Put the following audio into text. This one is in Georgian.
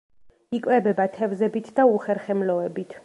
იკვებება თევზებით და უხერხემლოებით.